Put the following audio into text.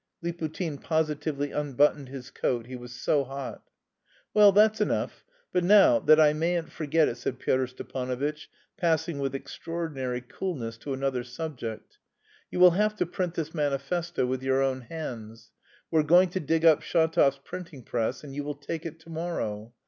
Liputin positively unbuttoned his coat, he was so hot. "Well, that's enough; but now, that I mayn't forget it," said Pyotr Stepanovitch, passing with extraordinary coolness to another subject, "you will have to print this manifesto with your own hands. We're going to dig up Shatov's printing press, and you will take it to morrow.